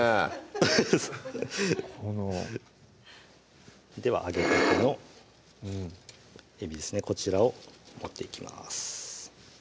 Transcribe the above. フフフッでは揚げ物のえびですねこちらを盛っていきます